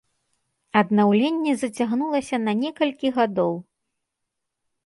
Аднаўленне зацягнулася на некалькі гадоў.